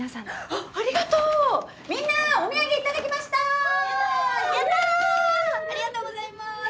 ありがとうございます！